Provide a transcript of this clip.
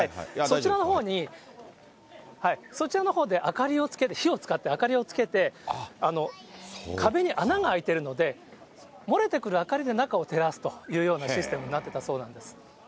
そちらのほうに、そちらのほうで明かりをつけて、火を使って、明かりをつけて、壁に穴が開いてるので、漏れてくる明かりで中を照らすというようなシステムになっていたそうなんです。